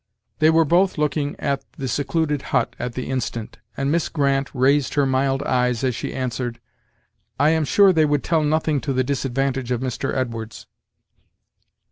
They were both looking at the secluded hut at the instant, and Miss Grant raised her mild eyes as she answered: "I am sure they would tell nothing to the disadvantage of Mr. Edwards."